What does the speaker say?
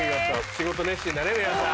仕事熱心だね皆さん。